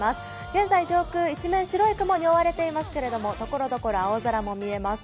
現在上空、一面白い雲に覆われていますけど所々、青空も見えます。